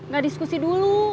gak diskusi dulu